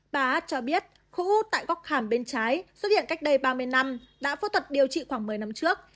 bà hát cho biết khổ u tại góc hàm bên trái xuất hiện cách đây ba mươi năm đã phẫu thuật điều trị khoảng một mươi năm trước